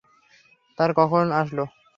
তারা কখন আসলো?